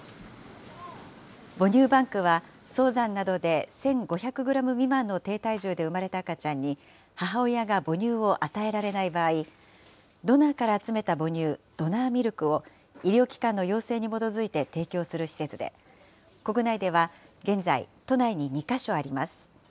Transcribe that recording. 母乳バンクは、早産などで１５００グラム未満の低体重で産まれた赤ちゃんに、母親が母乳を与えられない場合、ドナーから集めた母乳、ドナーミルクを医療機関の要請に基づいて提供する施設で、国内では現在、都内に２か所あります。